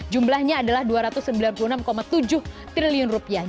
jumlahnya adalah dua ratus sembilan puluh enam tujuh triliun rupiah